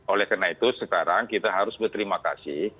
oleh karena itu sekarang kita harus berterima kasih